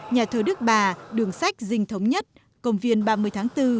nhà thờ đức bà đường sách dinh thống nhất công viên ba mươi tháng bốn